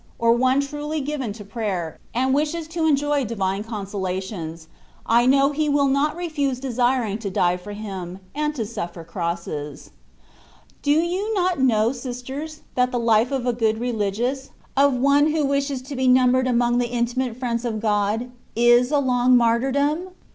57 or one truly given to prayer, and wishes to enjoy Divine consolations, I know he will not refiise desiring to die for Him, and to suflFer crosses.* Do you not know, sisters, that the life of a good ReUgious, of one who wishes to be numbered among the intimate friends of God, is a long martyrdom